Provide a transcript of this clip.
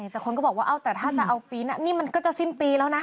แต่คนก็บอกแบบว่าถ้าจะเอาปีนอันนี้มันก็จะสิ้นปีแล้วนะ